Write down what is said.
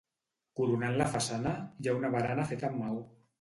Coronant la façana hi ha una barana feta amb maó.